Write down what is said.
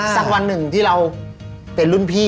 สักวันหนึ่งที่เราเป็นรุ่นพี่